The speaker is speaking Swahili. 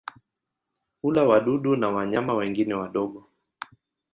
Hula wadudu na wanyama wengine wadogo.